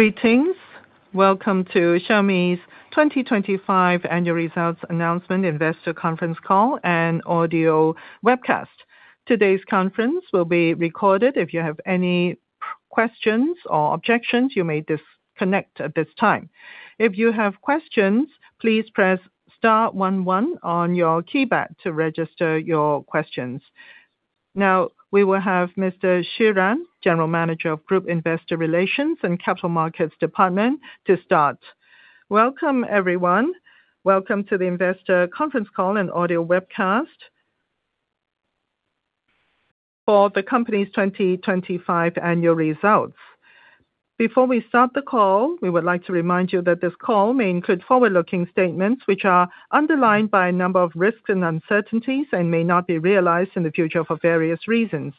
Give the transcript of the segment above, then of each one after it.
Now, we will have Mr. Xu Ran, General Manager of Group Investor Relations and Capital Markets Department to start. Welcome, everyone. Welcome to the investor conference call and audio webcast for the company's 2025 annual results. Before we start the call, we would like to remind you that this call may include forward-looking statements, which are underlined by a number of risks and uncertainties and may not be realized in the future for various reasons.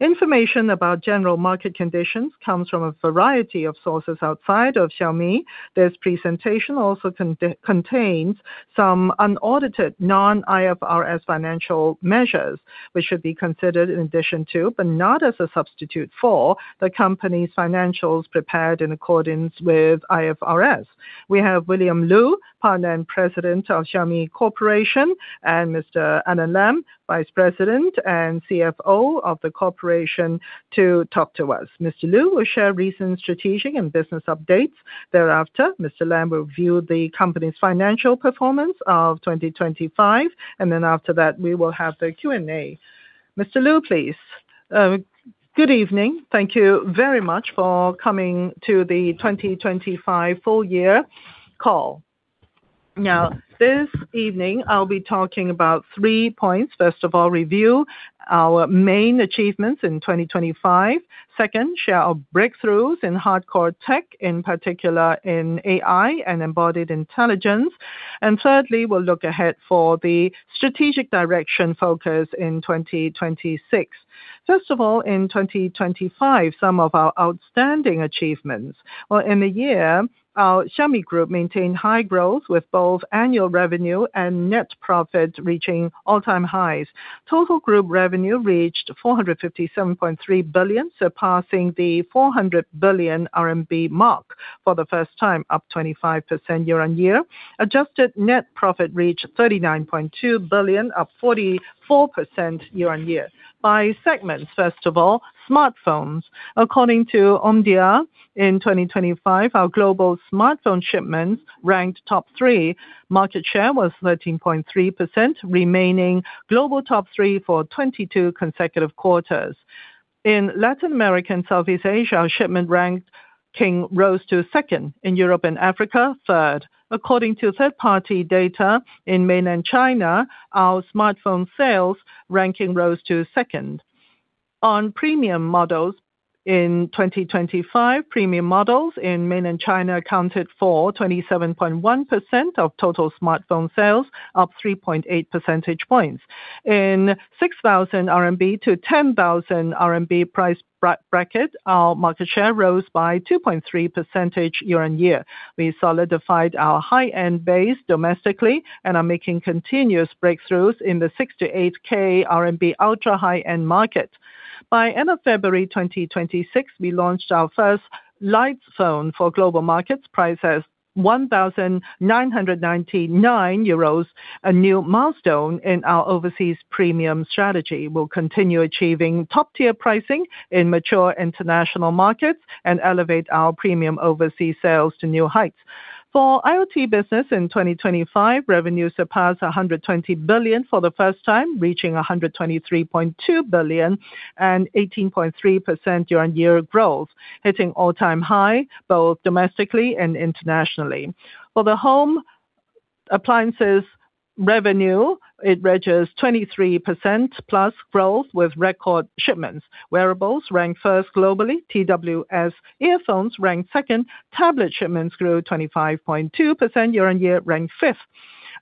Information about general market conditions comes from a variety of sources outside of Xiaomi. This presentation also contains some unaudited non-IFRS financial measures, which should be considered in addition to, but not as a substitute for, the company's financials prepared in accordance with IFRS. We have William Lu, Partner and President of Xiaomi Corporation, and Mr. Alain Lam, Vice President and CFO of the corporation, to talk to us. Mr. Lu will share recent strategic and business updates. Thereafter, Mr. Lam will review the company's financial performance of 2025, and then after that, we will have the Q&A. Mr. Lu, please. Good evening. Thank you very much for coming to the 2025 full year call. Now, this evening I'll be talking about three points. First of all, review our main achievements in 2025. Second, share our breakthroughs in hardcore tech, in particular in AI and embodied intelligence. Thirdly, we'll look ahead for the strategic direction focus in 2026. First of all, in 2025, some of our outstanding achievements. Well, in the year, our Xiaomi Group maintained high growth with both annual revenue and net profit reaching all-time highs. Total group revenue reached 457.3 billion, surpassing the 400 billion RMB mark for the first time, up 25% year-on-year. Adjusted net profit reached 39.2 billion, up 44% year-on-year. By segments, first of all, smartphones. According to Omdia, in 2025, our global smartphone shipments ranked top three. Market share was 13.3%, remaining global top three for 22 consecutive quarters. In Latin America and Southeast Asia, our shipment ranking rose to second. In Europe and Africa, third. According to third-party data, in Mainland China, our smartphone sales ranking rose to second. On premium models in 2025, premium models in Mainland China accounted for 27.1% of total smartphone sales, up 3.8 percentage points. In 6,000-10,000 RMB price bracket, our market share rose by 2.3 percentage points year-on-year. We solidified our high-end base domestically and are making continuous breakthroughs in the 6,000-8,000 RMB ultra-high-end market. By end of February 2026, we launched our first light phone for global markets, priced as 1,999 euros, a new milestone in our overseas premium strategy. We'll continue achieving top-tier pricing in mature international markets and elevate our premium overseas sales to new heights. For IoT business in 2025, revenue surpassed 120 billion for the first time, reaching 123.2 billion and 18.3% year-on-year growth, hitting all-time high both domestically and internationally. For the home appliances revenue, it reaches 23% plus growth with record shipments. Wearables ranked first globally. TWS earphones ranked second. Tablet shipments grew 25.2% year-on-year, ranked fifth.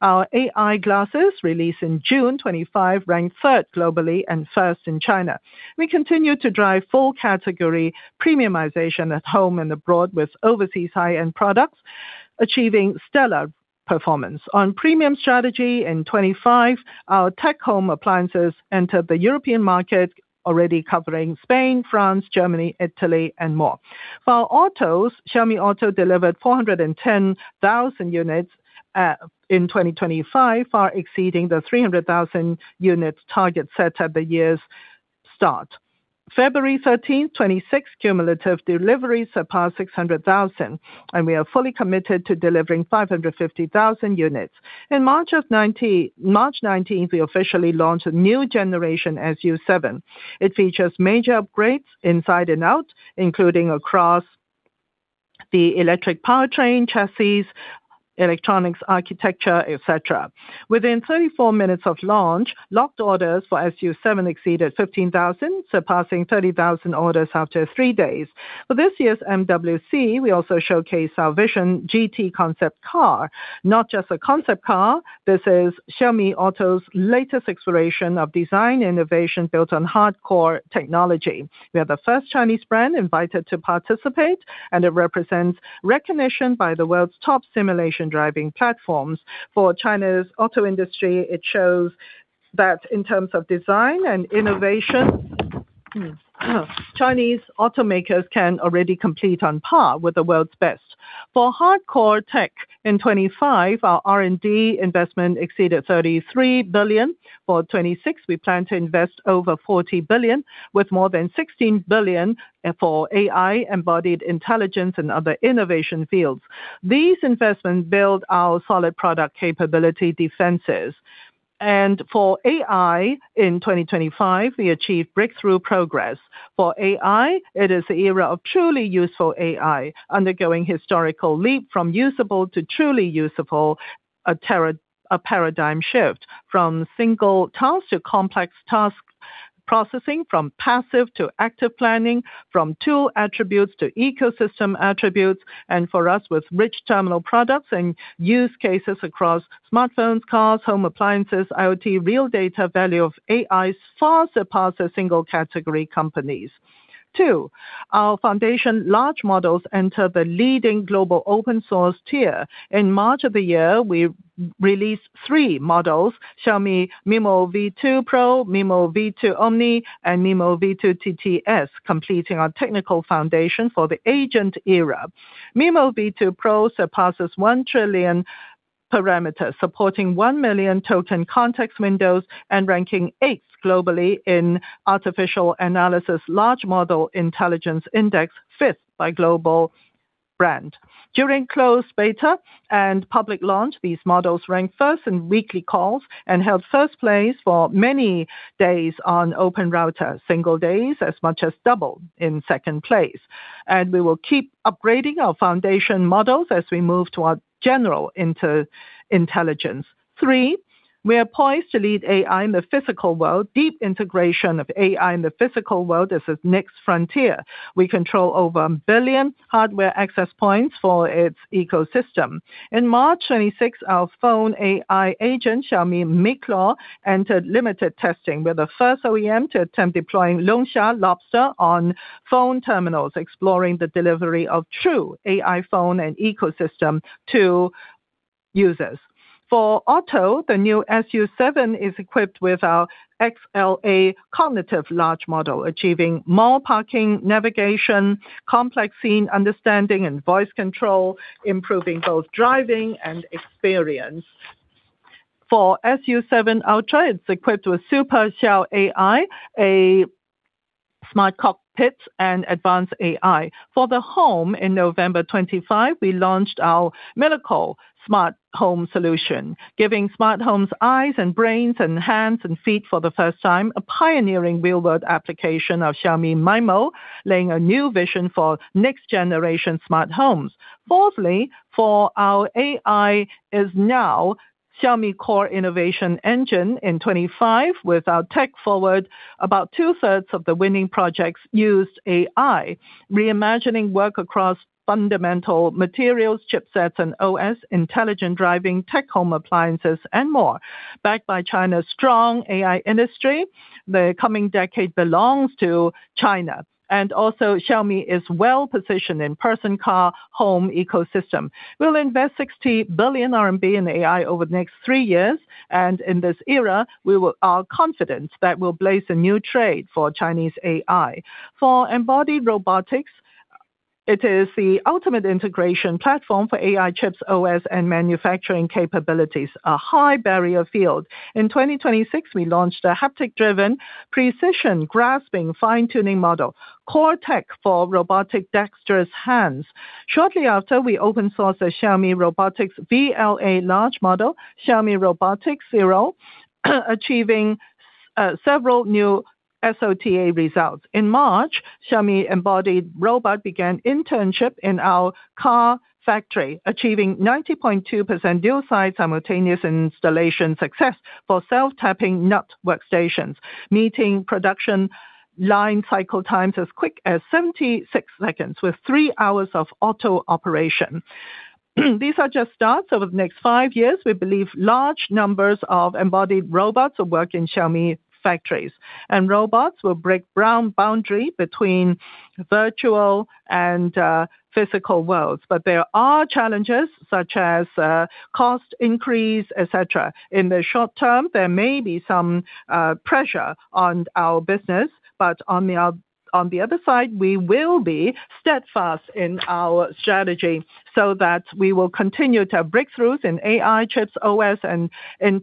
Our AI glasses, released in June 2025, ranked third globally and first in China. We continue to drive full category premiumization at home and abroad, with overseas high-end products achieving stellar performance. On premium strategy in 2025, our tech home appliances entered the European market, already covering Spain, France, Germany, Italy, and more. For autos, Xiaomi Auto delivered 410,000 units in 2025, far exceeding the 300,000 units target set at the year's start. February 13th, 2026, cumulative deliveries surpassed 600,000, and we are fully committed to delivering 550,000 units. In March 19, we officially launched a new generation SU7. It features major upgrades inside and out, including across the electric powertrain, chassis, electronics architecture, et cetera. Within 34 minutes of launch, locked orders for SU7 exceeded 15,000, surpassing 30,000 orders after three days. For this year's MWC, we also showcased our Vision GT concept car. Not just a concept car, this is Xiaomi Auto's latest exploration of design innovation built on hardcore technology. We are the first Chinese brand invited to participate, and it represents recognition by the world's top simulation driving platforms. For China's auto industry, it shows that in terms of design and innovation, Chinese automakers can already compete on par with the world's best. For hardcore tech in 2025, our R&D investment exceeded 33 billion. For 2026, we plan to invest over 40 billion with more than 16 billion for AI, embodied intelligence, and other innovation fields. These investments build our solid product capability defenses. For AI in 2025, we achieved breakthrough progress. For AI, it is the era of truly useful AI, undergoing historical leap from usable to truly useful, a paradigm shift from single tasks to complex tasks, processing from passive to active planning, from tool attributes to ecosystem attributes, and for us with rich terminal products and use cases across smartphones, cars, home appliances, IoT, real data value of AI far surpass a single category companies. Two, our foundation large models enter the leading global open source tier. In March of the year, we released three models Xiaomi MiMo-V2-Pro, MiMo-V2-Omni, and MiMo-V2-TTS, completing our technical foundation for the agent era. MiMo-V2-Pro surpasses 1 trillion parameters, supporting 1 million token context windows and ranking eighth globally in Artificial Analysis large model intelligence index, fifth by global brand. During closed beta and public launch, these models ranked first in weekly calls and held first place for many days on OpenRouter, single days as much as double in second place. We will keep upgrading our foundation models as we move toward general artificial intelligence. Three, we are poised to lead AI in the physical world. Deep integration of AI in the physical world is the next frontier. We control over 1 billion hardware access points for its ecosystem. In March 2026, our phone AI agent, Xiaomi miclaw, entered limited testing. We're the first OEM to attempt deploying long-chain reasoning on phone terminals, exploring the delivery of true AI phone and ecosystem to users. For auto, the new SU Seven is equipped with our XLA cognitive large model, achieving more parking, navigation, complex scene understanding, and voice control, improving both driving and experience. For SU7 Ultra, it's equipped with Hyper XiaoAI, a smart cockpit, and advanced AI. For the home, in November 2025, we launched our Miracle Smart Home solution, giving smart homes eyes and brains and hands and feet for the first time, a pioneering real-world application of Xiaomi MiMo, laying a new vision for next-generation smart homes. Fourthly, our AI is now Xiaomi's core innovation engine. In 2025, with our tech-forward, about 2/3 of the winning projects used AI, reimagining work across fundamental materials, chipsets, and OS, intelligent driving, tech home appliances, and more. Backed by China's strong AI industry, the coming decade belongs to China. Xiaomi is well-positioned in person, car, home ecosystem. We'll invest 60 billion RMB in AI over the next three years, and in this era, we are confident that we'll blaze a new trail for Chinese AI. For embodied robotics, it is the ultimate integration platform for AI chips, OS, and manufacturing capabilities, a high-barrier field. In 2026, we launched a haptic-driven precision grasping fine-tuning model, core tech for robotic dexterous hands. Shortly after, we open-sourced a Xiaomi Robotics VLA large model, Xiaomi Robotics Zero, achieving several new SOTA results. In March, Xiaomi embodied robot began internship in our car factory, achieving 90.2% dual-side simultaneous installation success for self-tapping nut workstations, meeting production line cycle times as quick as 76 seconds with three hours of auto-operation. These are just starts. Over the next five years, we believe large numbers of embodied robots will work in Xiaomi factories, and robots will break the boundary between virtual and physical worlds. There are challenges, such as cost increase, etc. In the short term, there may be some pressure on our business, but on the other side, we will be steadfast in our strategy so that we will continue to have breakthroughs in AI chips, OS, and in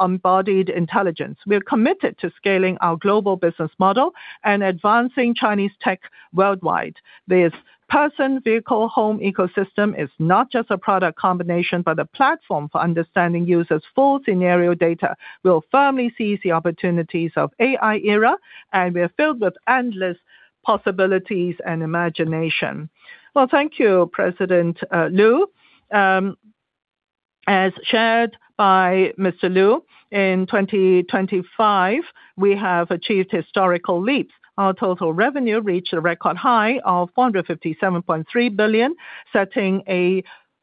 embodied intelligence. We're committed to scaling our global business model and advancing Chinese tech worldwide. This person, vehicle, home ecosystem is not just a product combination, but a platform for understanding users' full scenario data. We'll firmly seize the opportunities of AI era, and we're filled with endless possibilities and imagination. Well, thank you, President Lu. As shared by Mr. Lu, in 2025, we have achieved historical leaps. Our total revenue reached a record high of 457.3 billion, setting a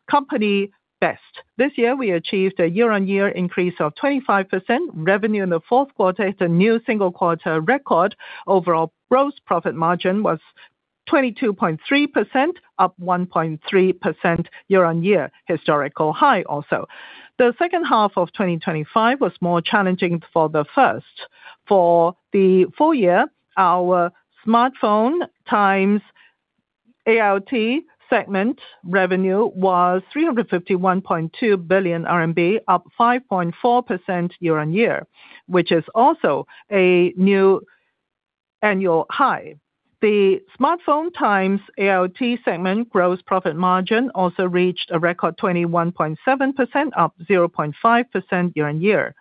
company best. This year, we achieved a year-on-year increase of 25%. Revenue in the fourth quarter hit a new single quarter record. Overall gross profit margin was 22.3%, up 1.3% year-on-year, historical high also. The second half of 2025 was more challenging for the first. For the full year, our smartphones times IoT segment revenue was 351.2 billion RMB, up 5.4% year-on-year, which is also a new annual high. The smartphones times IoT segment gross profit margin also reached a record 21.7%, up 0.5% year-on-year.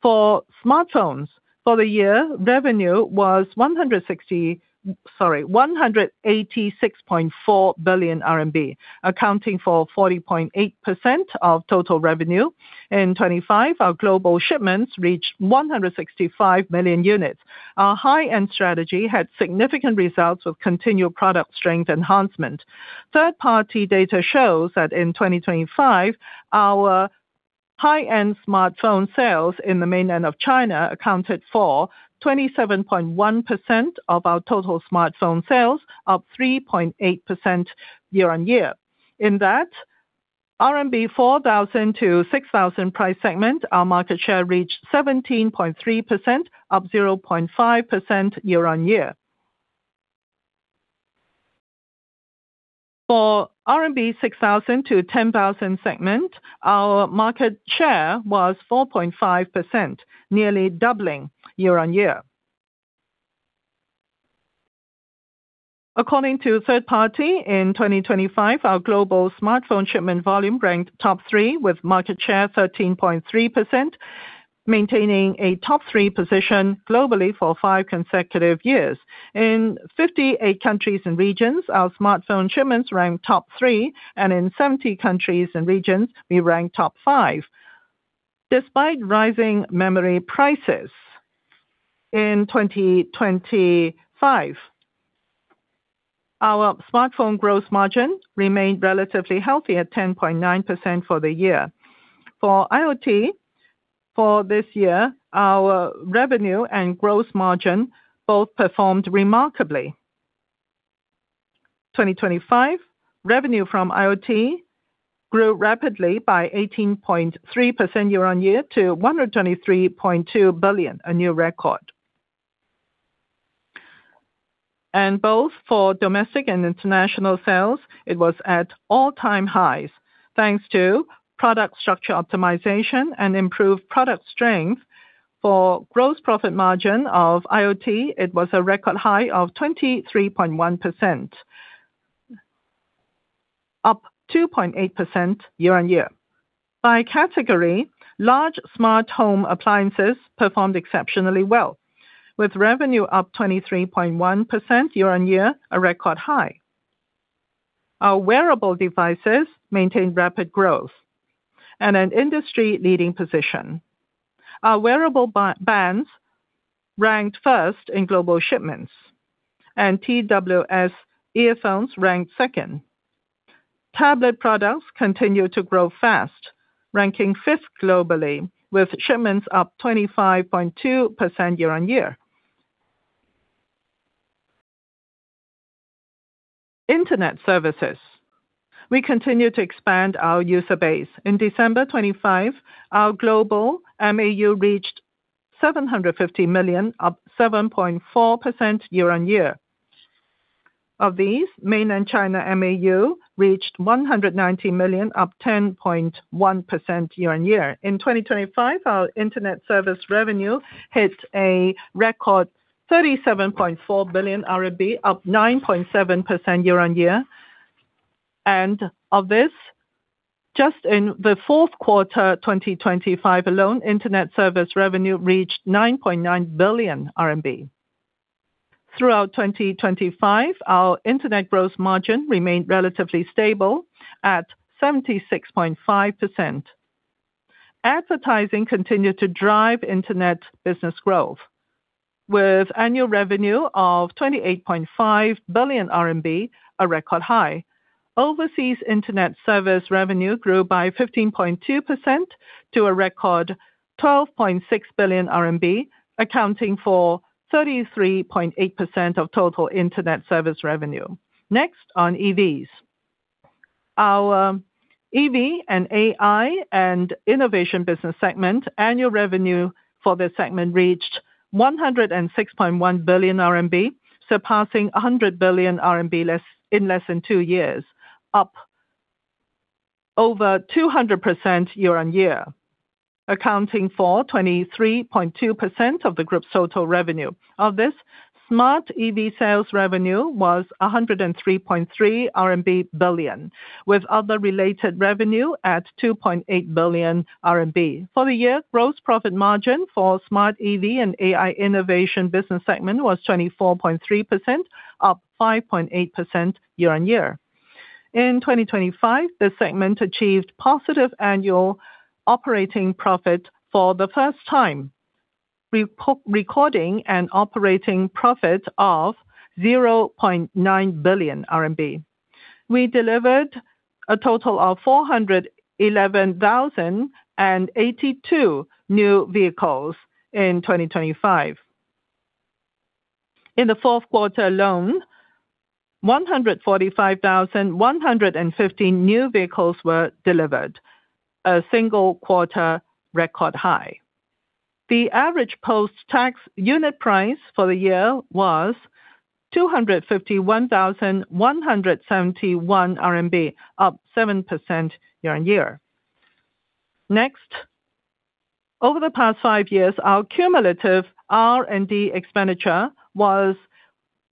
For smartphones, for the year, revenue was 186.4 billion RMB, accounting for 40.8% of total revenue. In 2025, our global shipments reached 165 million units. Our high-end strategy had significant results with continued product strength enhancement. Third-party data shows that in 2025, our high-end smartphone sales in the mainland of China accounted for 27.1% of our total smartphone sales, up 3.8% year-on-year. In that RMB 4,000-6,000 price segment, our market share reached 17.3%, up 0.5% year-on-year. For RMB 6,000-10,000 segment, our market share was 4.5%, nearly doubling year-on-year. According to third-party, in 2025, our global smartphone shipment volume ranked top three with market share 13.3%, maintaining a top three position globally for five consecutive years. In 58 countries and regions, our smartphone shipments ranked top three, and in 70 countries and regions, we ranked top five. Despite rising memory prices in 2025, our smartphone gross margin remained relatively healthy at 10.9% for the year. For IoT, for this year, our revenue and gross margin both performed remarkably. 2025, revenue from IoT grew rapidly by 18.3% year-on-year to 123.2 billion, a new record. Both for domestic and international sales, it was at all-time highs. Thanks to product structure optimization and improved product strength. For gross profit margin of IoT, it was a record high of 23.1%, up 2.8% year-on-year. By category, large smart home appliances performed exceptionally well, with revenue up 23.1% year-on-year, a record high. Our wearable devices maintained rapid growth and an industry-leading position. Our wearable bands ranked first in global shipments, and TWS earphones ranked second. Tablet products continued to grow fast, ranking fifth globally with shipments up 25.2% year-on-year. Internet services. We continue to expand our user base. In December 2025, our global MAU reached 750 million, up 7.4% year-on-year. Of these, Mainland China MAU reached 190 million, up 10.1% year-on-year. In 2025, our internet service revenue hit a record 37.4 billion RMB, up 9.7% year-on-year. Of this, just in the fourth quarter 2025 alone, internet service revenue reached 9.9 billion RMB. Throughout 2025, our internet gross margin remained relatively stable at 76.5%. Advertising continued to drive internet business growth, with annual revenue of 28.5 billion RMB, a record high. Overseas internet service revenue grew by 15.2% to a record 12.6 billion RMB, accounting for 33.8% of total internet service revenue. Next, on EVs. Our EV and AI and innovation business segment annual revenue for this segment reached 106.1 billion RMB, surpassing 100 billion RMB in less than two years, up over 200% year-on-year, accounting for 23.2% of the group's total revenue. Of this, smart EV sales revenue was 103.3 billion RMB, with other related revenue at 2.8 billion RMB. For the year, gross profit margin for smart EV and AI innovation business segment was 24.3%, up 5.8% year-on-year. In 2025, this segment achieved positive annual operating profit for the first time. Recording an operating profit of 0.9 billion RMB. We delivered a total of 411,082 new vehicles in 2025. In the fourth quarter alone, 145,11`5 new vehicles were delivered, a single quarter record high. The average post-tax unit price for the year was 251,171 RMB, up 7% year-on-year. Next, over the past five years, our cumulative R&D expenditure was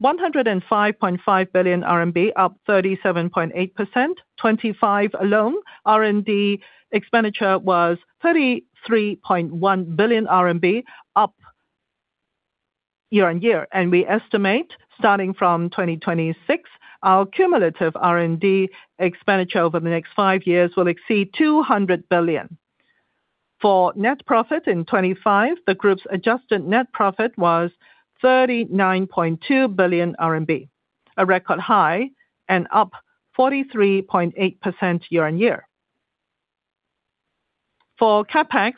105.5 billion RMB, up 37.8%. In 2025 alone, R&D expenditure was RMB 33.1 billion, up year-on-year. We estimate, starting from 2026, our cumulative R&D expenditure over the next five years will exceed 200 billion. For net profit in 2025, the group's adjusted net profit was 39.2 billion RMB, a record high and up 43.8% year-on-year. For CapEx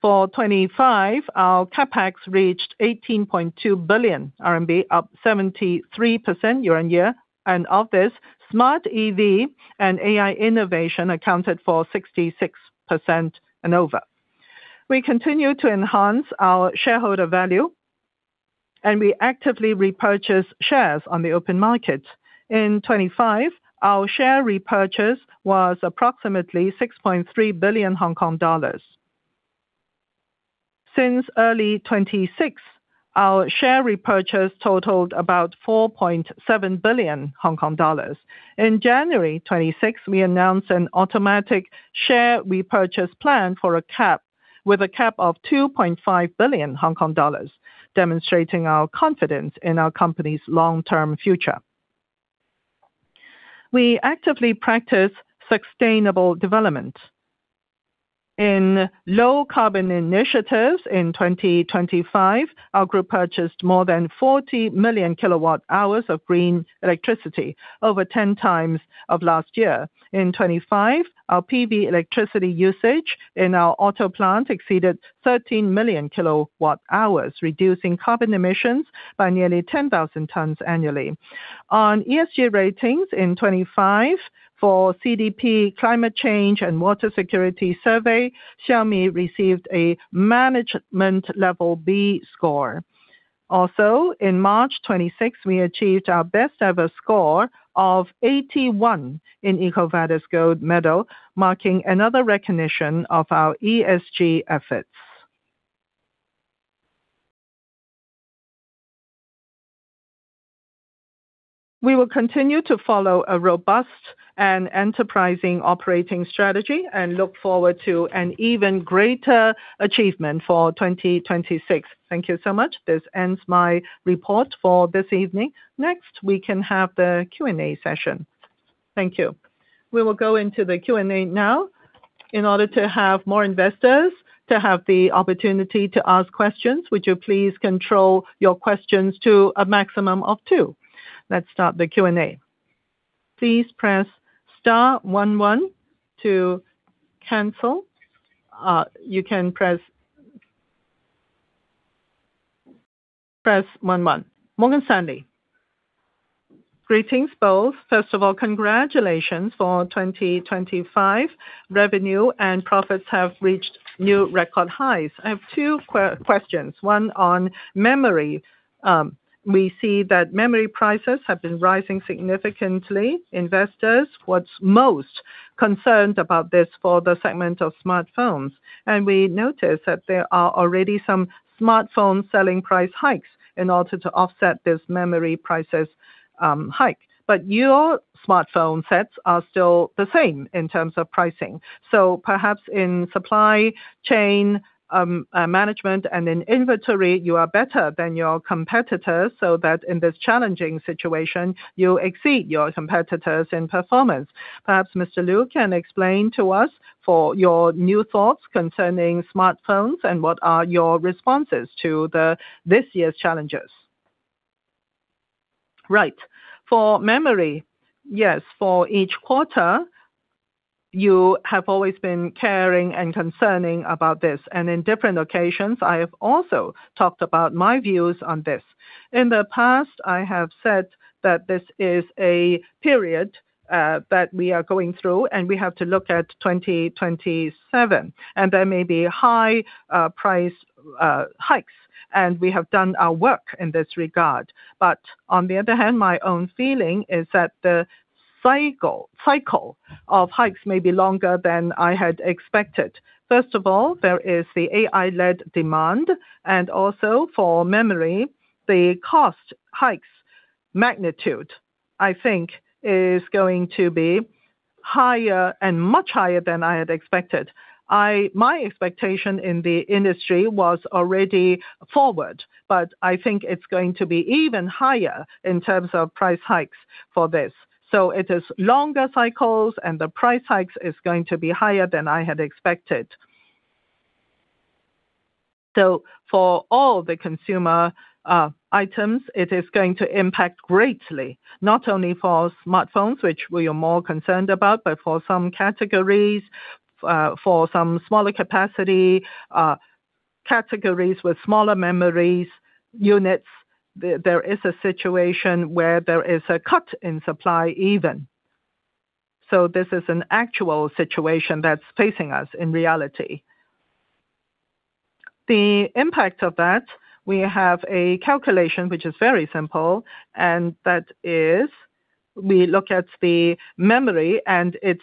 for 2025, our CapEx reached 18.2 billion RMB, up 73% year-on-year. Of this, smart EV and AI innovation accounted for 66% and over. We continue to enhance our shareholder value, and we actively repurchase shares on the open market. In 2025, our share repurchase was approximately 6.3 billion Hong Kong dollars. Since early 2026, our share repurchase totaled about 4.7 billion Hong Kong dollars. In January 2026, we announced an automatic share repurchase plan with a cap of 2.5 billion Hong Kong dollars, demonstrating our confidence in our company's long-term future. We actively practice sustainable development. In low-carbon initiatives in 2025, our group purchased more than 40 million kWh of green electricity, over 10x of last year. In 2025, our PV electricity usage in our auto plant exceeded 13 million kWh, reducing carbon emissions by nearly 10,000 tons annually. On ESG ratings in 2025 for CDP Climate Change and Water Security Survey, Xiaomi received a management level B score. Also, in March 2026, we achieved our best ever score of 81 in EcoVadis Gold Medal, marking another recognition of our ESG efforts. We will continue to follow a robust and enterprising operating strategy and look forward to an even greater achievement for 2026. Thank you so much. This ends my report for this evening. Next, we can have the Q&A session. Thank you. We will go into the Q&A now. In order to have more investors to have the opportunity to ask questions, would you please control your questions to a maximum of two. Let's start the Q&A. Please press star one one to cancel. You can press one one. Morgan Stanley. Greetings, both. First of all, congratulations for 2025. Revenue and profits have reached new record highs. I have two questions, one on memory. We see that memory prices have been rising significantly. Investors are most concerned about this for the segment of smartphones. We noticed that there are already some smartphone selling price hikes in order to offset this memory price hike. Your smartphone sets are still the same in terms of pricing. Perhaps in supply chain management and in inventory, you are better than your competitors, so that in this challenging situation, you exceed your competitors in performance. Perhaps Mr. Lu can explain to us your new thoughts concerning smartphones and what are your responses to this year's challenges. Right. For memory, yes, for each quarter, you have always been caring and concerning about this. In different occasions, I have also talked about my views on this. In the past, I have said that this is a period that we are going through, and we have to look at 2027. There may be high price hikes, and we have done our work in this regard. On the other hand, my own feeling is that the cycle of hikes may be longer than I had expected. First of all, there is the AI-led demand, and also for memory, the cost hikes magnitude, I think, is going to be higher and much higher than I had expected. My expectation in the industry was already forward, but I think it's going to be even higher in terms of price hikes for this. It is longer cycles, and the price hikes is going to be higher than I had expected. For all the consumer items, it is going to impact greatly, not only for smartphones, which we are more concerned about, but for some categories, for some smaller capacity categories with smaller memory units, there is a situation where there is a cut in supply even. This is an actual situation that's facing us in reality. The impact of that, we have a calculation which is very simple, and that is we look at the memory, and it's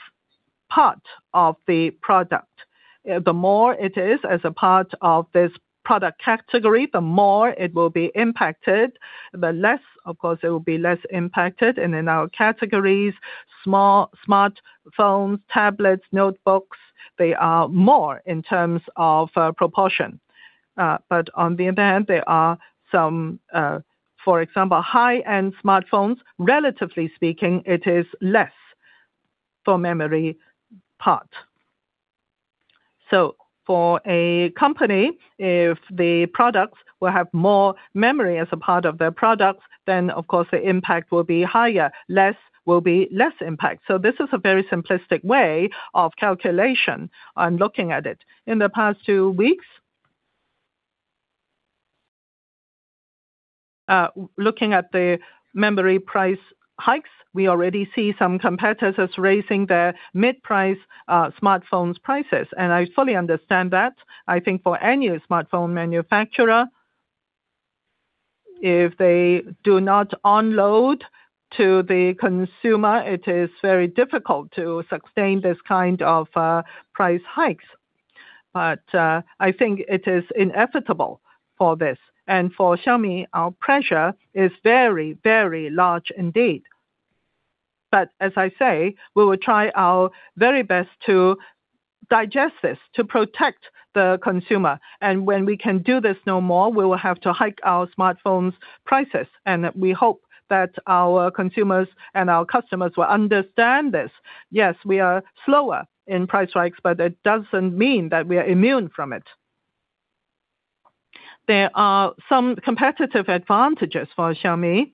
part of the product. The more it is as a part of this product category, the more it will be impacted. The less, of course, it will be less impacted. In our categories, smartphones, tablets, notebooks, they are more in terms of proportion. On the other hand, there are some, for example, high-end smartphones, relatively speaking, it is less for memory part. For a company, if the products will have more memory as a part of their products, then of course the impact will be higher. Less will be less impact. This is a very simplistic way of calculation on looking at it. In the past two weeks, looking at the memory price hikes, we already see some competitors raising their mid-price, smartphones prices. I fully understand that. I think for any smartphone manufacturer, if they do not unload to the consumer, it is very difficult to sustain this kind of, price hikes. I think it is inevitable for this. For Xiaomi, our pressure is very, very large indeed. As I say, we will try our very best to digest this, to protect the consumer. When we can do this no more, we will have to hike our smartphones prices. We hope that our consumers and our customers will understand this. Yes, we are slower in price hikes, but it doesn't mean that we are immune from it. There are some competitive advantages for Xiaomi,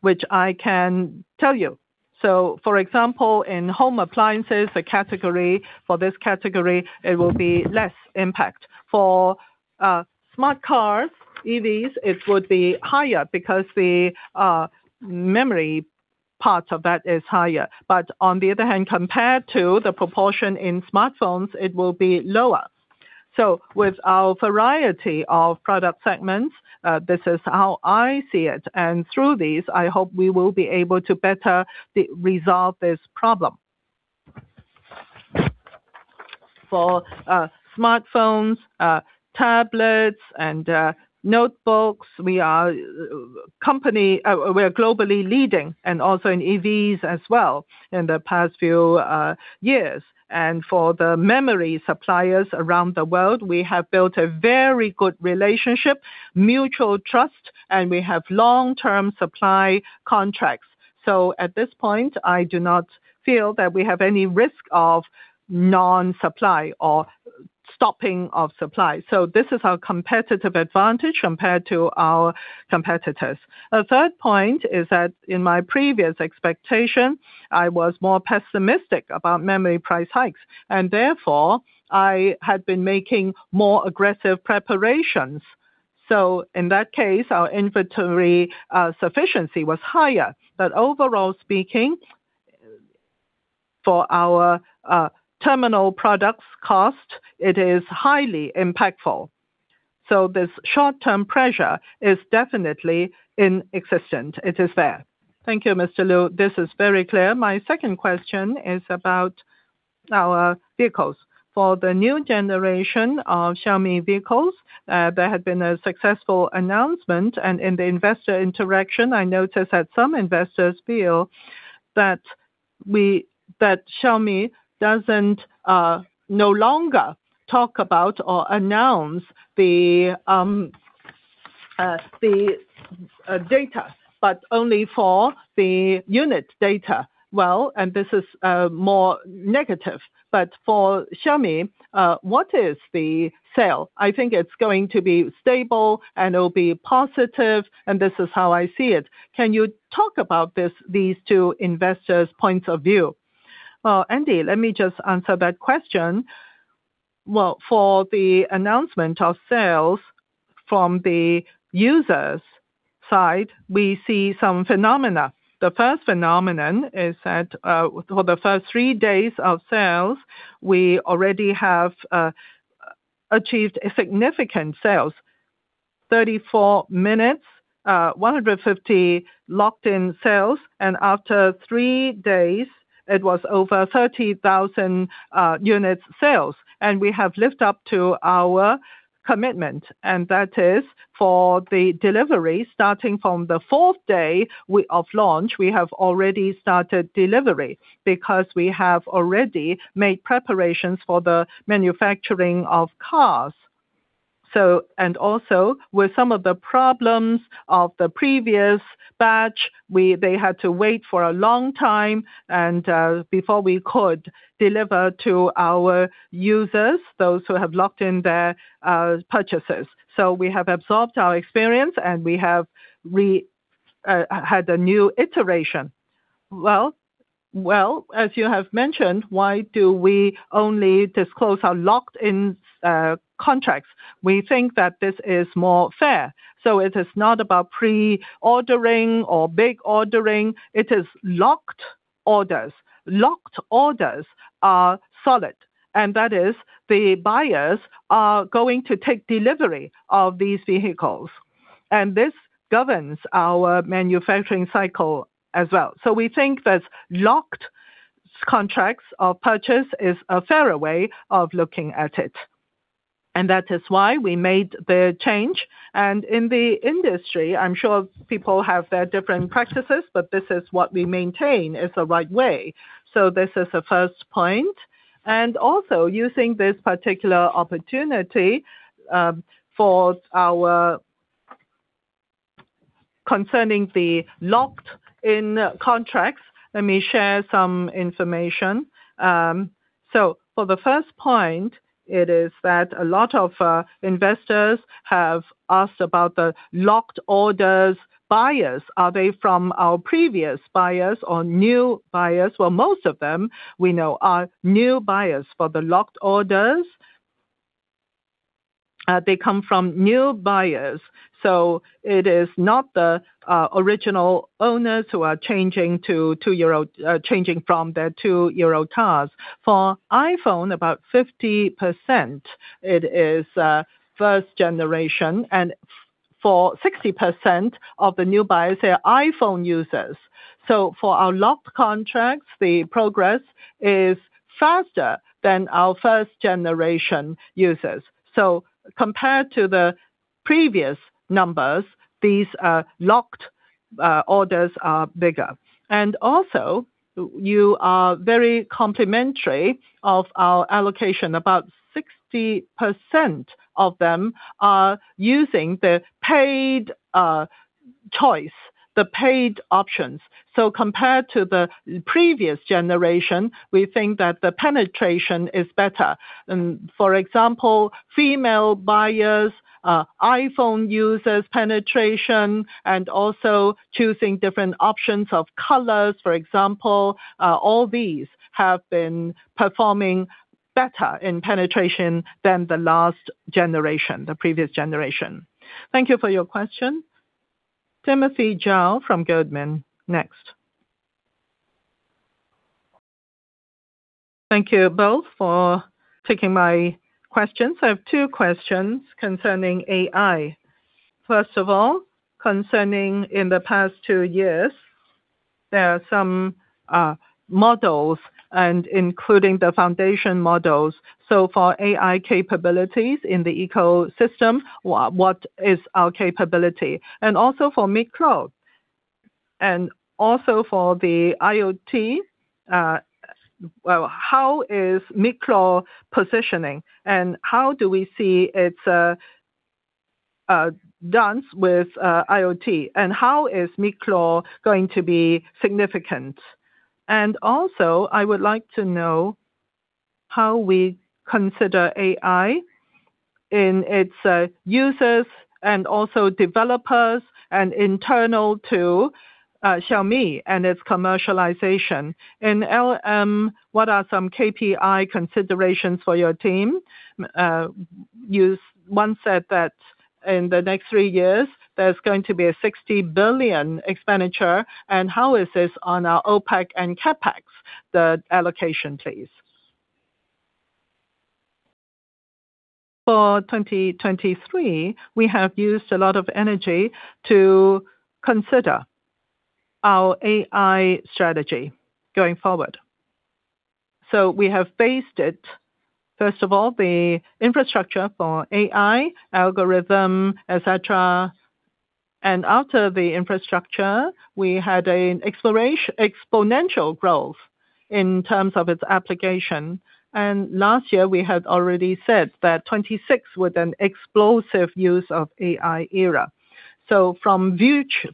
which I can tell you. For example, in home appliances, the category, for this category, it will be less impact. For smart cars, EVs, it would be higher because the memory parts of that is higher. On the other hand, compared to the proportion in smartphones, it will be lower. With our variety of product segments, this is how I see it, and through these, I hope we will be able to better resolve this problem. For smartphones, tablets and notebooks, we're globally leading and also in EVs as well in the past few years. For the memory suppliers around the world, we have built a very good relationship, mutual trust, and we have long-term supply contracts. At this point, I do not feel that we have any risk of non-supply or stopping of supply. This is our competitive advantage compared to our competitors. A third point is that in my previous expectation, I was more pessimistic about memory price hikes, and therefore, I had been making more aggressive preparations. In that case, our inventory sufficiency was higher. Overall speaking, for our terminal products cost, it is highly impactful. This short-term pressure is definitely existent. It is there. Thank you, Mr. Lu. This is very clear. My second question is about our vehicles. For the new generation of Xiaomi vehicles, there had been a successful announcement, and in the investor interaction, I noticed that some investors feel that Xiaomi doesn't no longer talk about or announce the data, but only for the unit data. Well, this is more negative, but for Xiaomi, what is the sale? I think it's going to be stable, and it'll be positive, and this is how I see it. Can you talk about these two investors' points of view? Well, Andy, let me just answer that question. Well, for the announcement of sales from the users side, we see some phenomena. The first phenomenon is that, for the first three days of sales, we already have achieved a significant sales. 34 minutes, 150 locked-in sales, and after three days, it was over 30,000 units sales. We have lived up to our commitment, and that is for the delivery starting from the fourth day of launch, we have already started delivery because we have already made preparations for the manufacturing of cars. Also with some of the problems of the previous batch, they had to wait for a long time and, before we could deliver to our users, those who have locked in their purchases. We have absorbed our experience, and we have had a new iteration. Well, as you have mentioned, why do we only disclose our locked-in contracts? We think that this is more fair. It is not about pre-ordering or big ordering, it is locked orders. Locked orders are solid, and that is the buyers are going to take delivery of these vehicles. This governs our manufacturing cycle as well. We think that locked contracts or purchase is a fairer way of looking at it. That is why we made the change. In the industry, I'm sure people have their different practices, but this is what we maintain is the right way. This is the first point. Also using this particular opportunity, concerning the locked-in contracts, let me share some information. For the first point, it is that a lot of investors have asked about the locked orders buyers. Are they from our previous buyers or new buyers? Well, most of them we know are new buyers. For the locked orders, they come from new buyers. It is not the original owners who are changing from their two-year-old cars. For iPhone, about 50% it is first generation, and for 60% of the new buyers, they are iPhone users. For our locked contracts, the progress is faster than our first generation users. Compared to the previous numbers, these locked orders are bigger. You are very complimentary of our allocation. About 60% of them are using the paid choice, the paid options. Compared to the previous generation, we think that the penetration is better. For example, female buyers, iPhone users penetration, and also choosing different options of colors, for example. All these have been performing better in penetration than the last generation, the previous generation. Thank you for your question. Timothy Zhao from Goldman, next. Thank you both for taking my questions. I have two questions concerning AI. First of all, concerning in the past two years, there are some models and including the foundation models. For AI capabilities in the ecosystem, what is our capability? And also for miclaw. And also for the IoT, how is miclaw positioning, and how do we see its dance with IoT? And how is miclaw going to be significant? And also, I would like to know how we consider AI in its users and also developers and internal to Xiaomi and its commercialization. In LLM, what are some KPI considerations for your team? You once said that in the next three years, there's going to be a 60 billion expenditure. How is this on our OPEX and CapEx, the allocation please? For 2023, we have used a lot of energy to consider our AI strategy going forward. We have faced it, first of all, the infrastructure for AI, algorithm, et cetera. After the infrastructure, we had an exponential growth in terms of its application. Last year, we had already said that 2026 was an explosive use of AI era. From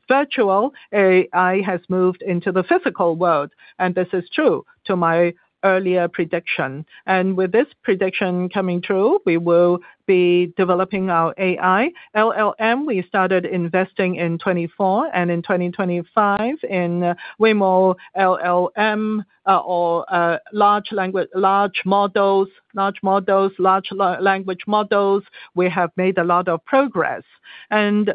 virtual, AI has moved into the physical world, and this is true to my earlier prediction. With this prediction coming true, we will be developing our AI LLM. We started investing in 2024, and in 2025 in our own LLM, or large language models. We have made a lot of progress.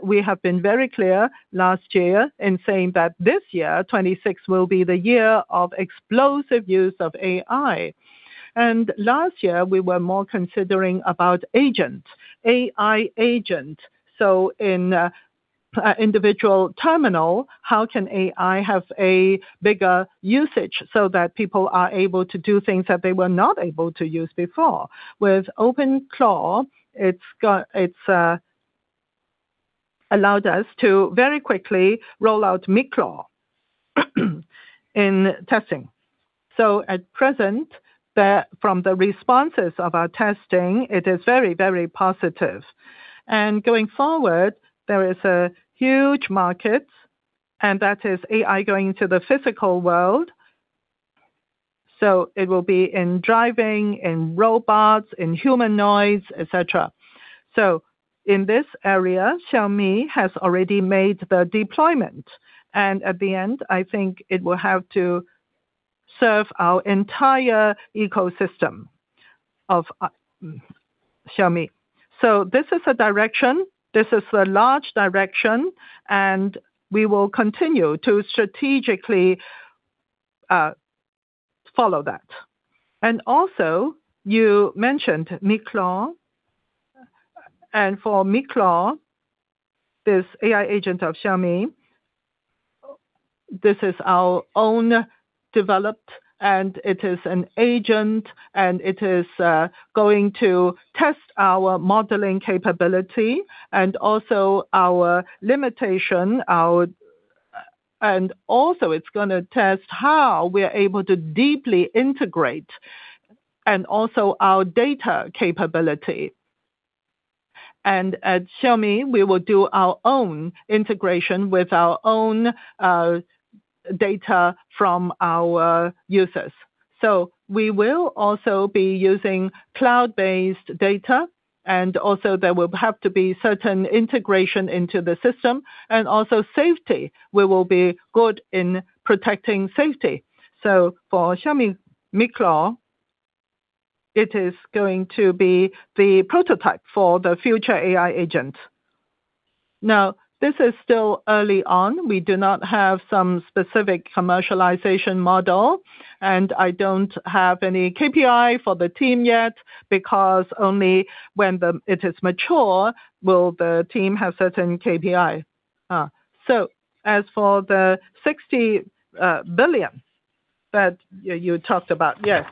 We have been very clear last year in saying that this year, 2026, will be the year of explosive use of AI. Last year, we were more considering about agent, AI agent. In individual terminal, how can AI have a bigger usage so that people are able to do things that they were not able to use before? With OpenClaw, it allowed us to very quickly roll out miclaw in testing. At present, from the responses of our testing, it is very, very positive. Going forward, there is a huge market, and that is AI going to the physical world. It will be in driving, in robots, in humanoids, etc. In this area, Xiaomi has already made the deployment. I think it will have to serve our entire ecosystem of Xiaomi. This is a direction, this is a large direction, and we will continue to strategically follow that. Also you mentioned miclaw. For miclaw, this AI agent of Xiaomi, this is our own developed, and it is an agent, and it is going to test our modeling capability and also our limitation. Also it's gonna test how we are able to deeply integrate, and also our data capability. At Xiaomi, we will do our own integration with our own data from our users. We will also be using cloud-based data, and also there will have to be certain integration into the system, and also safety. We will be good in protecting safety. For Xiaomi miclaw, it is going to be the prototype for the future AI agent. Now, this is still early on. We do not have some specific commercialization model, and I don't have any KPI for the team yet, because only when it is mature will the team have certain KPI. As for the 60 billion that you talked about, yes,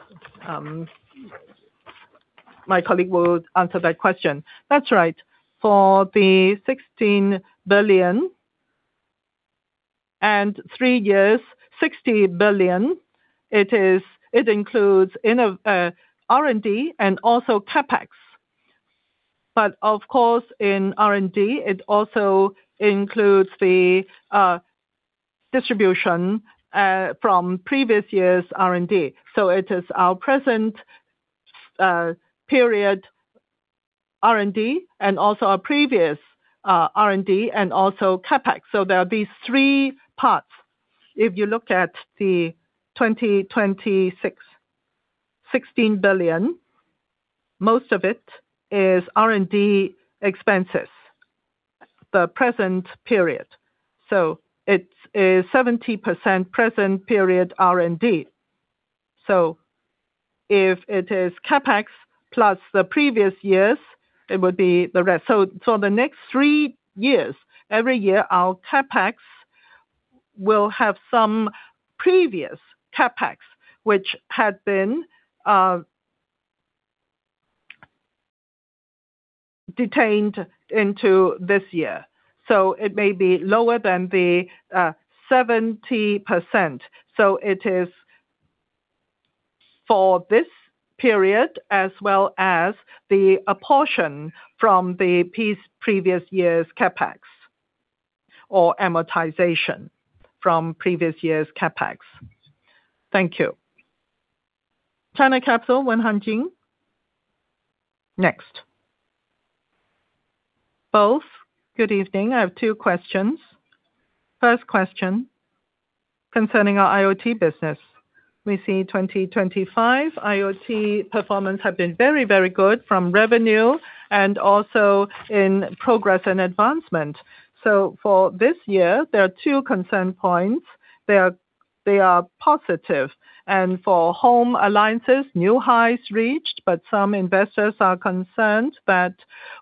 my colleague will answer that question. That's right. For the 16 billion and three years, 60 billion, it includes R&D and also CapEx. But of course, in R&D, it also includes the distribution from previous years' R&D. It is our present period R&D, and also our previous R&D, and also CapEx. There are these three parts. If you look at the 2026 16 billion, most of it is R&D expenses, the present period. It is 70% present period R&D. If it is CapEx plus the previous years, it would be the rest. The next three years, every year our CapEx will have some previous CapEx which had been deferred into this year. It may be lower than the 70%. It is for this period as well as the apportion from the previous year's CapEx or amortization from previous year's CapEx. Thank you. China Capital, Wen Hanqing[Hanjing]. Next. Both, good evening. I have two questions. First question concerning our IoT business. We see 2025 IoT performance have been very, very good from revenue and also in progress and advancement. For this year, there are two concern points. They are positive. For home appliances, new highs reached, but some investors are concerned that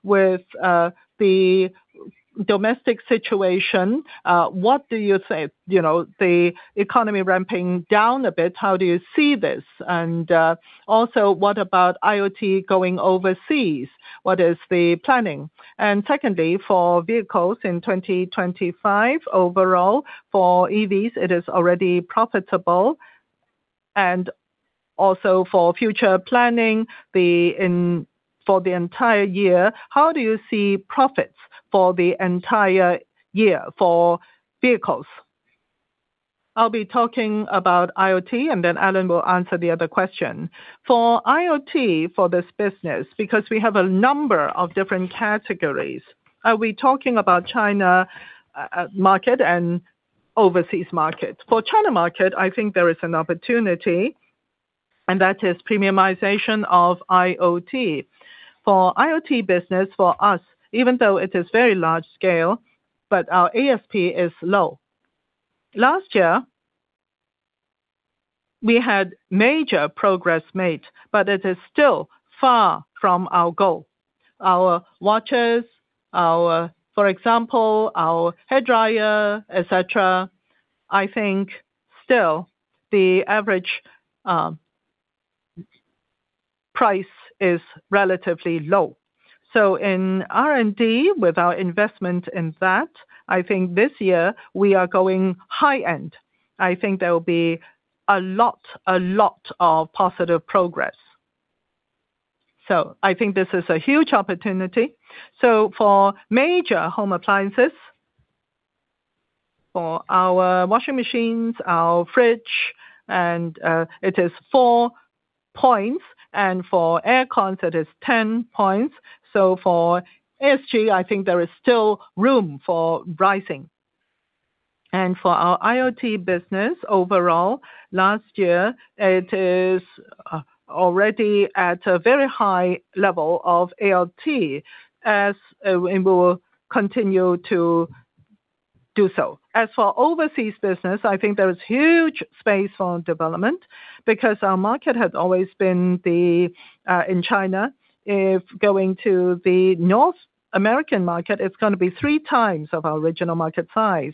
with the domestic situation, what do you say? You know, the economy ramping down a bit, how do you see this? Also what about IoT going overseas? What is the planning? Secondly, for vehicles in 2025 overall, for EVs it is already profitable. Also for future planning, for the entire year, how do you see profits for the entire year for vehicles? I'll be talking about IoT and then Alan will answer the other question. For IoT, for this business, because we have a number of different categories, are we talking about China market and overseas markets? For China market, I think there is an opportunity, and that is premiumization of IoT. For IoT business for us, even though it is very large scale, but our ASP is low. Last year, we had major progress made, but it is still far from our goal. Our watches, for example, our hairdryer, et cetera, I think still the average price is relatively low. In R&D, with our investment in that, I think this year we are going high-end. I think there will be a lot of positive progress. I think this is a huge opportunity. For major home appliances, for our washing machines, our fridge, and it is four points, and for air cons, it is 10 points. For ASP, I think there is still room for rising. For our IoT business overall, last year, it is already at a very high level of IoT, as it will continue to do so. As for overseas business, I think there is huge space for development because our market has always been in China. If going to the North American market, it's gonna be 3x of our original market size.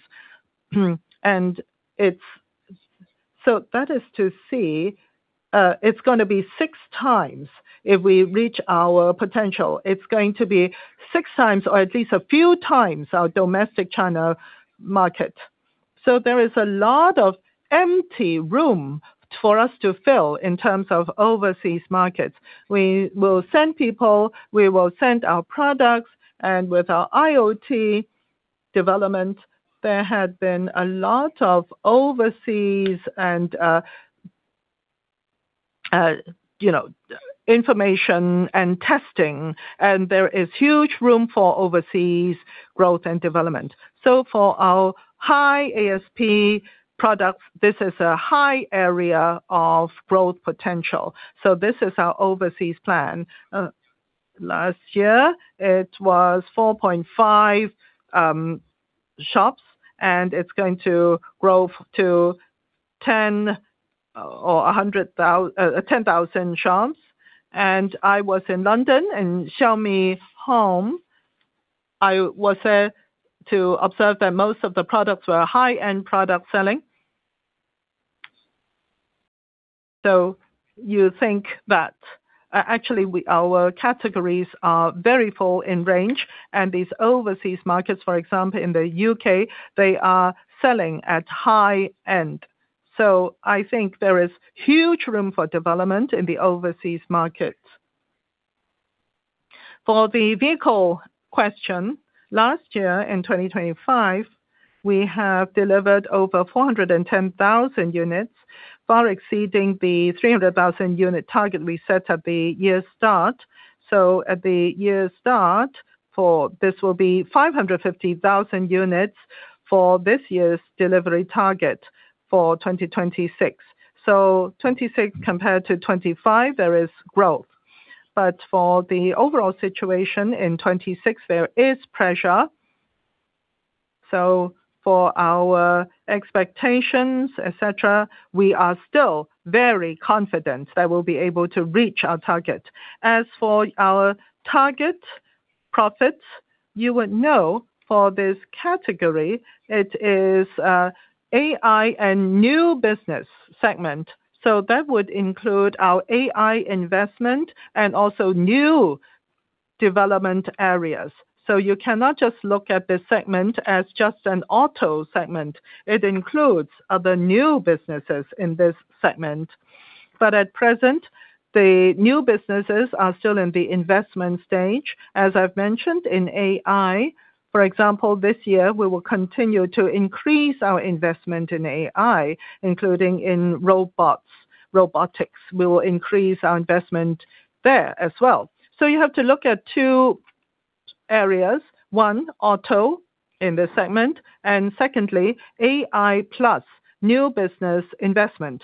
It's going to be 6x if we reach our potential. It's going to be 6x or at least a few times our domestic China market. There is a lot of empty room for us to fill in terms of overseas markets. We will send people, we will send our products, and with our IoT development, there had been a lot of overseas and, you know, information and testing, and there is huge room for overseas growth and development. For our high ASP products, this is a high area of growth potential. This is our overseas plan. Last year, it was 4.5 shops, and it's going to grow to 10,000 shops. I was in London in Xiaomi Home. I was to observe that most of the products were high-end product selling. You think that actually our categories are very full in range. These overseas markets, for example, in the U.K., they are selling at high end. I think there is huge room for development in the overseas markets. For the vehicle question, last year in 2025, we have delivered over 410,000 units, far exceeding the 300,000 unit target we set at the year start. At the year start, for this will be 550,000 units for this year's delivery target for 2026. 2026 compared to 2025, there is growth. For the overall situation in 2026, there is pressure. For our expectations, et cetera, we are still very confident that we'll be able to reach our target. As for our target profits, you would know for this category, it is, AI and new business segment. That would include our AI investment and also new development areas. You cannot just look at this segment as just an auto segment. It includes other new businesses in this segment. At present, the new businesses are still in the investment stage. As I've mentioned in AI, for example, this year, we will continue to increase our investment in AI, including in robots, robotics. We will increase our investment there as well. You have to look at two areas. One, auto in this segment, and secondly, AI plus new business investment.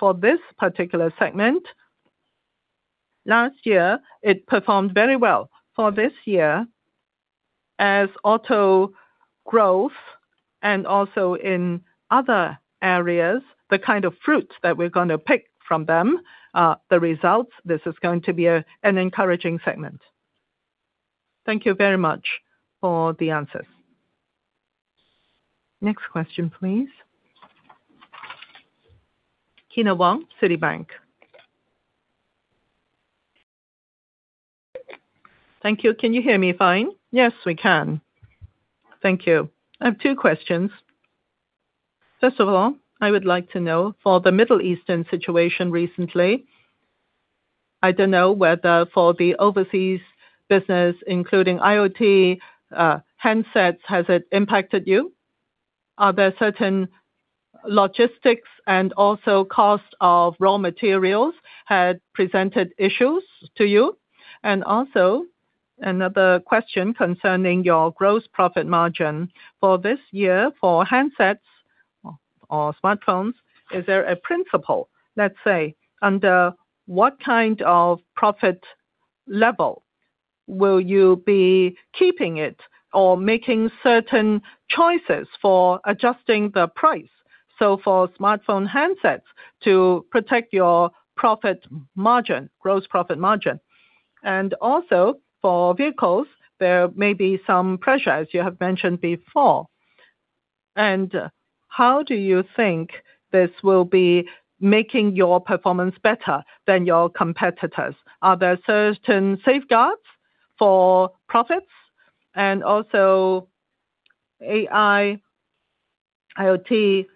For this particular segment, last year, it performed very well. For this year, as auto growth and also in other areas, the kind of fruits that we're gonna pick from them, the results, this is going to be an encouraging segment. Thank you very much for the answers. Next question, please. Kyna Wong, Citibank. Thank you. Can you hear me fine? Yes, we can. Thank you. I have two questions. First of all, I would like to know for the Middle Eastern situation recently. I don't know whether for the overseas business, including IoT, handsets, has it impacted you? Are there certain logistics and also cost of raw materials had presented issues to you? And also another question concerning your gross profit margin. For this year, for handsets or smartphones, is there a principle, let's say, under what kind of profit level will you be keeping it or making certain choices for adjusting the price? For smartphone handsets to protect your profit margin, gross profit margin. Also for vehicles, there may be some pressure as you have mentioned before. How do you think this will be making your performance better than your competitors? Are there certain safeguards for profits and also AI, IoT,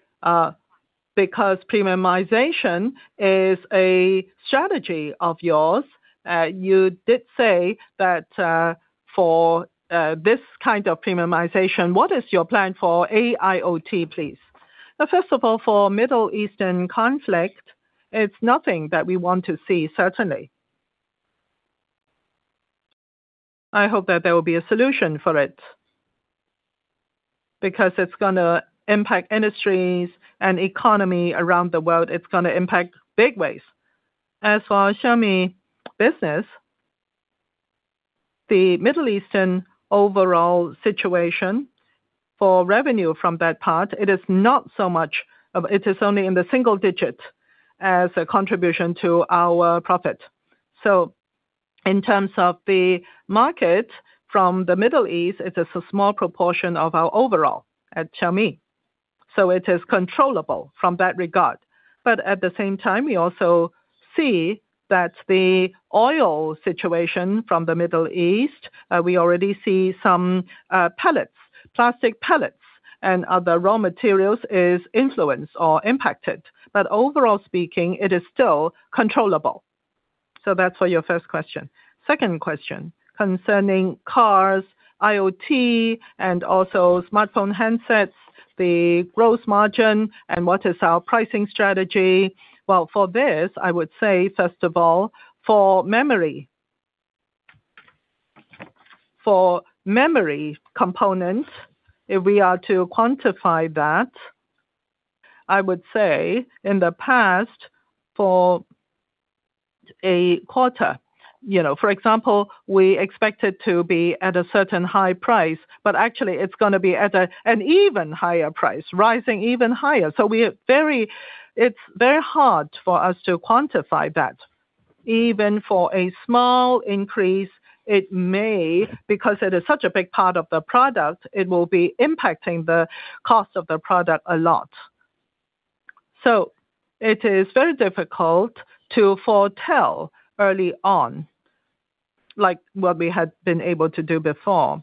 because premiumization is a strategy of yours, you did say that, for this kind of premiumization, what is your plan for AIoT, please? First of all, for Middle Eastern conflict, it's nothing that we want to see, certainly. I hope that there will be a solution for it because it's gonna impact industries and economy around the world. It's gonna impact big ways. As for Xiaomi business, the Middle Eastern overall situation for revenue from that part, it is only in the single digit as a contribution to our profit. In terms of the market from the Middle East, it is a small proportion of our overall at Xiaomi. It is controllable from that regard. At the same time, we also see that the oil situation from the Middle East, we already see some, pellets, plastic pellets and other raw materials is influenced or impacted. Overall speaking, it is still controllable. That's for your first question. Second question concerning cars, IoT, and also smartphone handsets, the growth margin, and what is our pricing strategy. Well, for this, I would say first of all, for memory. For memory components, if we are to quantify that, I would say in the past, for a quarter, you know, for example, we expected to be at a certain high price, but actually it's gonna be at an even higher price, rising even higher. It's very hard for us to quantify that. Even for a small increase, because it is such a big part of the product, it will be impacting the cost of the product a lot. It is very difficult to foretell early on, like what we had been able to do before.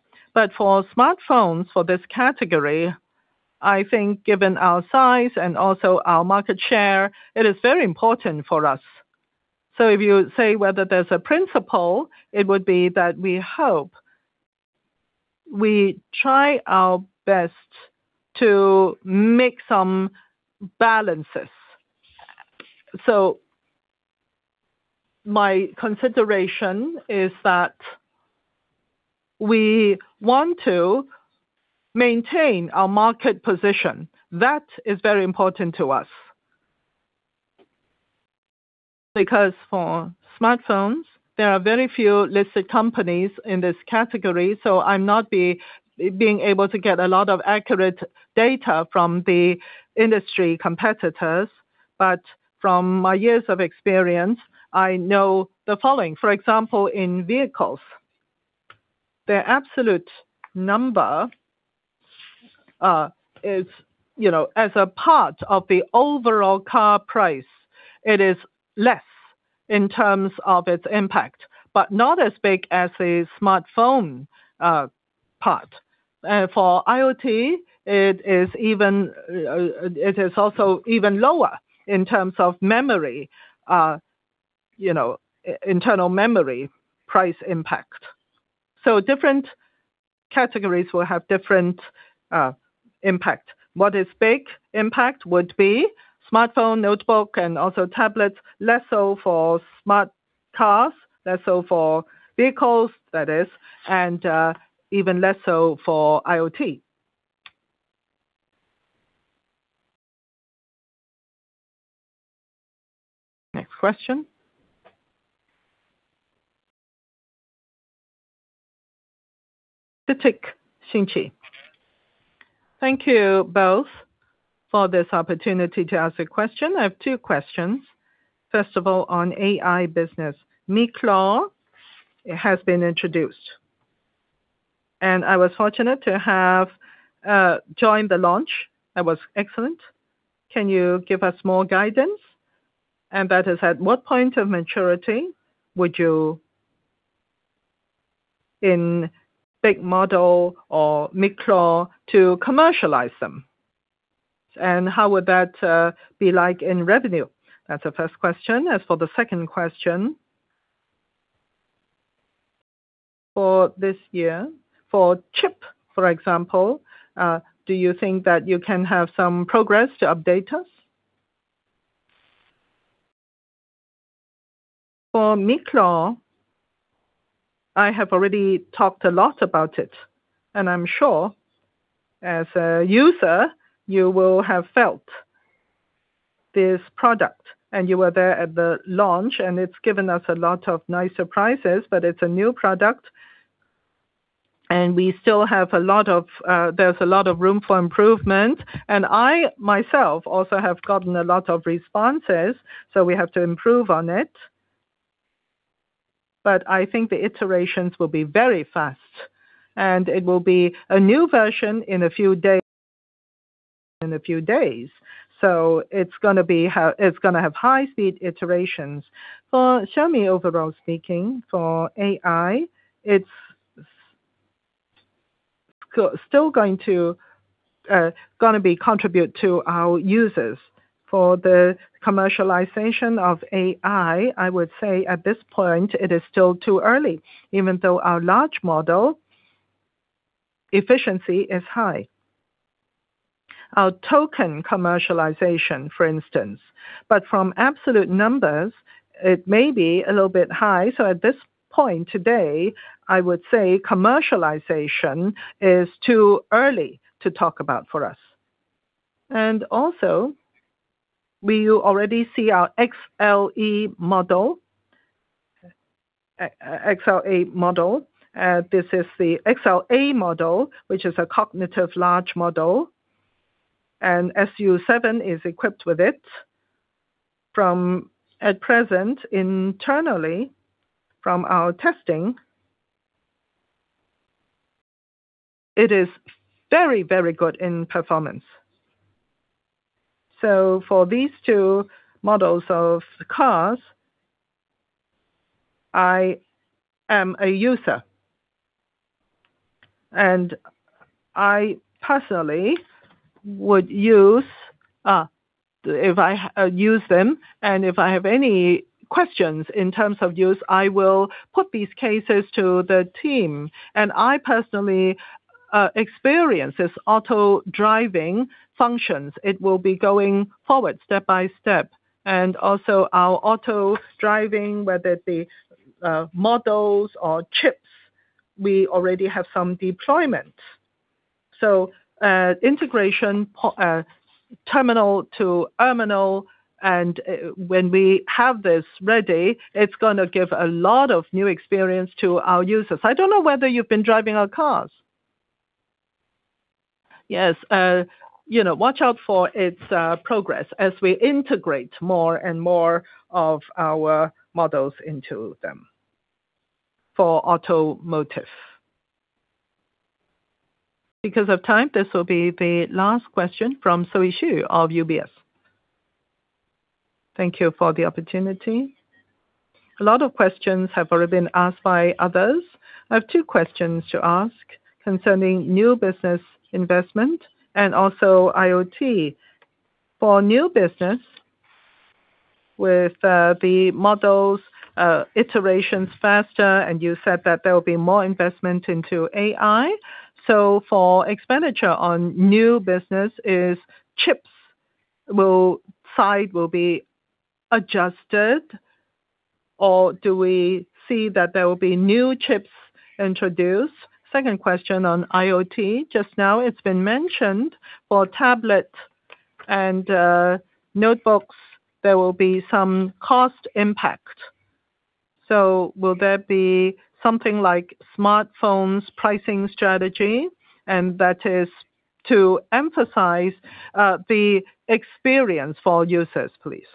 For smartphones, for this category, I think given our size and also our market share, it is very important for us. If you say whether there's a principle, it would be that we hope we try our best to make some balances. My consideration is that we want to maintain our market position. That is very important to us. Because for smartphones, there are very few listed companies in this category, so I'm not being able to get a lot of accurate data from the industry competitors. But from my years of experience, I know the following. For example, in vehicles, the absolute number is as a part of the overall car price, it is less in terms of its impact, but not as big as a smartphone part. For IoT, it is even lower in terms of memory, internal memory price impact. Different categories will have different impact. What is big impact would be smartphone, notebook, and also tablets. Less so for smart cars. Less so for vehicles, that is, and even less so for IoT. Next question. CITIC Securities. Thank you both for this opportunity to ask a question. I have two questions. First of all, on AI business. miclaw has been introduced, and I was fortunate to have joined the launch. That was excellent. Can you give us more guidance? And that is, at what point of maturity would you in big model or miclaw to commercialize them? And how would that be like in revenue? That's the first question. As for the second question, for this year, for chip, for example, do you think that you can have some progress to update us? For miclaw, I have already talked a lot about it, and I'm sure as a user, you will have felt this product, and you were there at the launch, and it's given us a lot of nice surprises. It's a new product, and there's a lot of room for improvement. I, myself, also have gotten a lot of responses, so we have to improve on it. I think the iterations will be very fast, and it will be a new version in a few days. It's gonna have high speed iterations. For Xiaomi, overall speaking, for AI, it's still going to contribute to our users. For the commercialization of AI, I would say at this point it is still too early, even though our large model efficiency is high. Our token commercialization, for instance, but from absolute numbers, it may be a little bit high. At this point today, I would say commercialization is too early to talk about for us. We already see our XLA model. This is the XLA model, which is a cognitive large model, and SU7 is equipped with it. At present, internally from our testing, it is very, very good in performance. For these two models of cars, I am a user. I personally would use them, and if I use them, and if I have any questions in terms of use, I will put these cases to the team. I personally experience this auto driving functions. It will be going forward step by step. Also our auto driving, whether it be models or chips, we already have some deployment. Integration terminal to terminal, and when we have this ready, it's gonna give a lot of new experience to our users. I don't know whether you've been driving our cars. Yes, you know, watch out for its progress as we integrate more and more of our models into them for automotive. Because of time, this will be the last question from Zoe Xu of UBS. Thank you for the opportunity. A lot of questions have already been asked by others. I have two questions to ask concerning new business investment and also IoT. For new business, with the models iterations faster, and you said that there will be more investment into AI. For expenditure on new business, is chips R&D side will be adjusted, or do we see that there will be new chips introduced? Second question on IoT. Just now it's been mentioned for tablet and notebooks, there will be some cost impact. Will there be something like smartphones pricing strategy, and that is to emphasize the experience for users, please?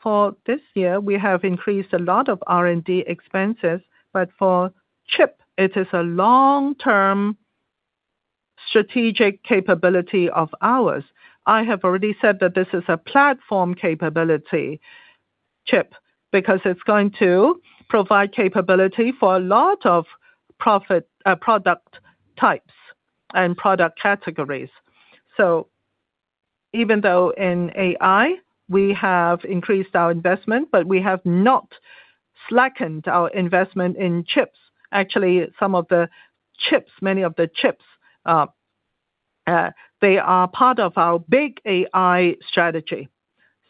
For this year, we have increased a lot of R&D expenses, but for chip, it is a long-term strategic capability of ours. I have already said that this is a platform capability chip, because it's going to provide capability for a lot of our product types and product categories. Even though in AI we have increased our investment, but we have not slackened our investment in chips. Actually, some of the chips, many of the chips, they are part of our big AI strategy.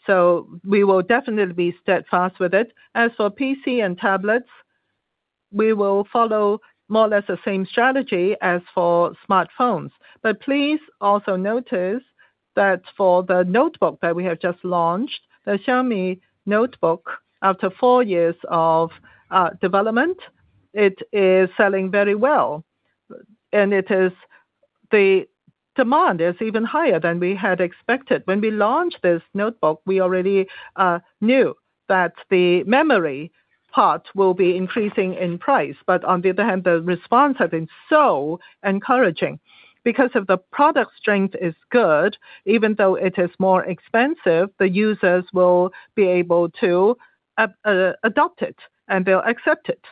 We will definitely be steadfast with it. As for PC and tablets, we will follow more or less the same strategy as for smartphones. Please also notice that for the notebook that we have just launched, the Xiaomi Notebook, after four years of development, it is selling very well. The demand is even higher than we had expected. When we launched this notebook, we already knew that the memory part will be increasing in price. On the other hand, the response has been so encouraging. Because if the product strength is good, even though it is more expensive, the users will be able to adopt it, and they'll accept it.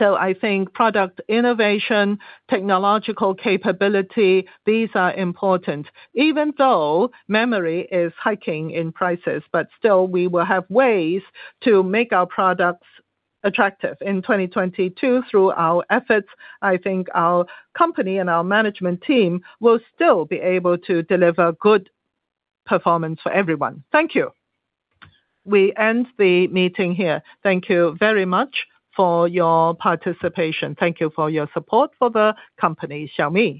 I think product innovation, technological capability, these are important. Even though memory prices are hiking, but still we will have ways to make our products attractive. In 2022, through our efforts, I think our company and our management team will still be able to deliver good performance for everyone. Thank you. We end the meeting here. Thank you very much for your participation. Thank you for your support for the company, Xiaomi.